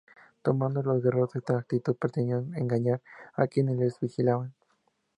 Tomando los guerreros esta actitud pretendían engañar a quienes les vigilaban.